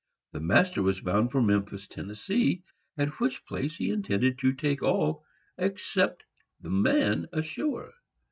The master was bound for Memphis, Tenn., at which place he intended to take all except the man ashore.